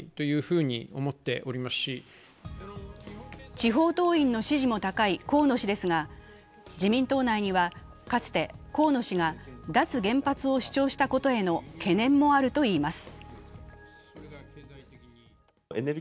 地方党員の支持も高い河野氏ですがかつて河野氏が脱原発を主張したことへの懸念もあるといいます。